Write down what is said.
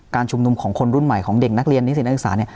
ชุมนุมของคนรุ่นใหม่ของเด็กนักเรียนนิสิตนักศึกษาเนี่ย